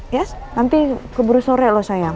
yes nanti keburu sore loh sayang